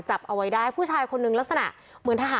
จับเอาไว้ได้ผู้ชายคนนึงลักษณะเหมือนทหาร